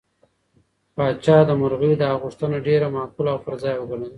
پاچا د مرغۍ دا غوښتنه ډېره معقوله او پر ځای وګڼله.